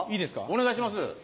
お願いします。